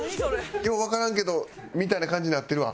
「ようわからんけど」みたいな感じになってるわ。